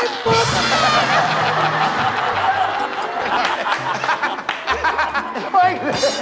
เฮ้ย